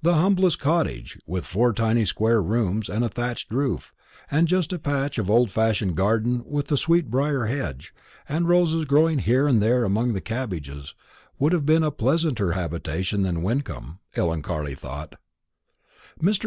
The humblest cottage, with four tiny square rooms and a thatched roof, and just a patch of old fashioned garden with a sweetbrier hedge and roses growing here and there among the cabbages; would have been a pleasanter habitation than Wyncomb, Ellen Carley thought. Mr.